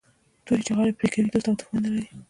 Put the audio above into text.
توري چي غاړي پرې کوي دوست او دښمن نه لري